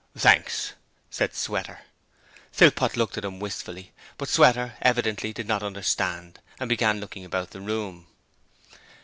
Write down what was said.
'Thanks,' said Sweater. Philpot looked at him wistfully, but Sweater evidently did not understand, and began looking about the room.